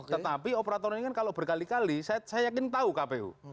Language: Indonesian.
tetapi operator ini kan kalau berkali kali saya yakin tahu kpu